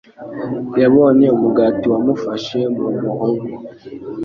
Yabonye umugati wamufashe mu muhogo